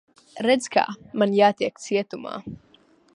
Redz, kā. Man jātiek cietumā.